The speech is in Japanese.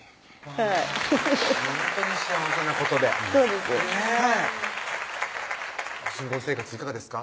はいほんとに幸せなことでそうですねぇはい新婚生活いかがですか？